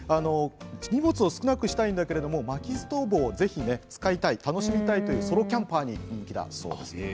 荷物を少なくしたいんだけれどもまきストーブをぜひ使いたい楽しみたいというソロキャンパーに人気だそうです。